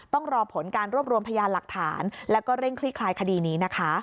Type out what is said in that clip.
ต้องรอผลการรวบรวมพยานหลักฐานแล้วก็เร่งคลี่คลายคดีนี้นะคะ